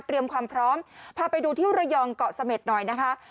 ความพร้อมพาไปดูที่ระยองเกาะเสม็ดหน่อยนะคะ